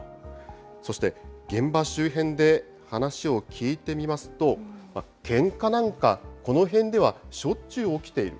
そして、現場周辺で話を聞いてみますと、けんかなんか、この辺ではしょっちゅう起きている。